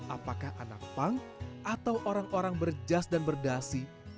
apakah anak punk atau orang orang berjas dan berdasi